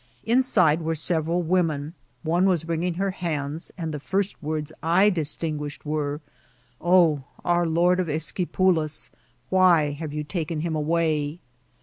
Inside were several women ; one was wringing her hands, and the first w<Mrds I distin guished were, '^ Oh, our Lord of Esquipulas, why have you taken him away